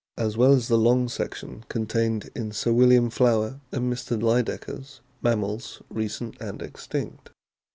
as well as the long section contained in Sir William Flower and Mr. Lydekker's Mammals, Recent and Extinct.